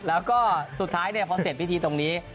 แล้วก็สุดท้ายพอเสร็จพิธีตรงนี้